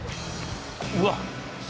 うわっ。